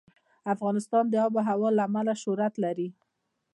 افغانستان د آب وهوا له امله شهرت لري.